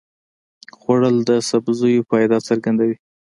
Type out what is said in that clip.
خوړل د سبزیو فایده څرګندوي